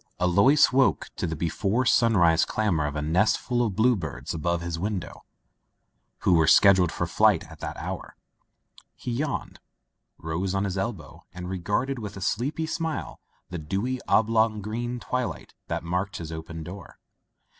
Alois woke to the before sunrise clamor of a nestful of bluebirds above his window, who were scheduled for flight at that hour. He yawned, rose on his elbow, and regarded with a sleepy smile the dewy oblong of green twilight that marked his open door.